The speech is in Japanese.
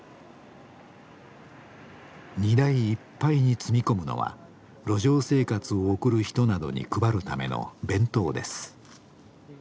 荷台いっぱいに積み込むのは路上生活を送る人などに配るための弁当です。